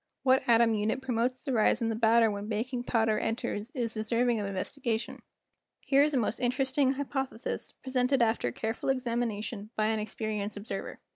What atom unit promotes the rise in the batter when baking powder en¬ ters is deserving of investigation. Here is a most interesting hy¬ pothesis presented after careful examination by an experienced observer.